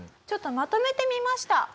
ちょっとまとめてみました。